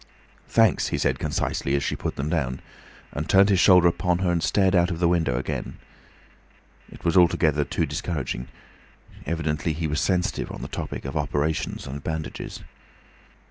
"Thanks," he said concisely, as she put them down, and turned his shoulder upon her and stared out of the window again. It was altogether too discouraging. Evidently he was sensitive on the topic of operations and bandages.